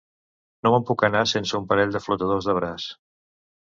No me'n puc anar sense un parell de flotadors de braç.